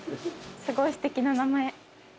すごいすてきな名前。